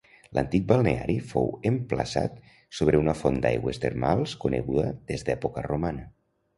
L'antic balneari fou emplaçat sobre una font d'aigües termals coneguda des d'època romana.